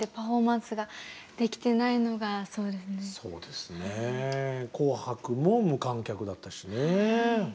そうですね「紅白」も無観客だったしね。